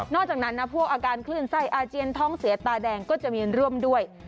จากนั้นนะพวกอาการคลื่นไส้อาเจียนท้องเสียตาแดงก็จะมีร่วมด้วย